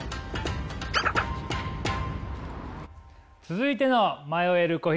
続いての迷える子羊。